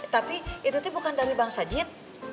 tapi itu teh bukan dari bangsa jin